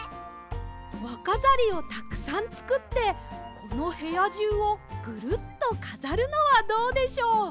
わかざりをたくさんつくってこのへやじゅうをグルッとかざるのはどうでしょう？